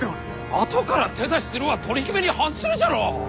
あとから手出しするは取り決めに反するじゃろう！